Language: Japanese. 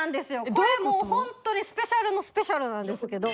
これもうホントにスペシャルのスペシャルなんですけど。